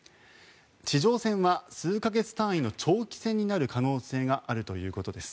地上戦は数か月単位の長期戦になる可能性があるということです。